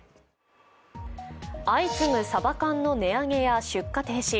相次ぐサバ缶の値上げや出荷停止。